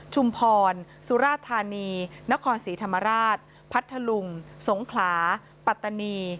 ชุมพรสุราธานีนครศรีธรรมราชพัทธลุงสงขลาปัตตานี